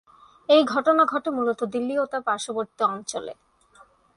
এই ঘটনা ঘটে মূলত দিল্লি ও তার পার্শ্ববর্তী অঞ্চলে।